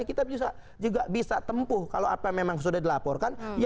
kita juga bisa tempuh kalau apa memang sudah dilaporkan